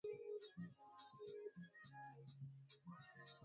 Kirusi kinaweza kuishi kwenye gaga kwa kipindi cha miaka mingi wakati wa ukame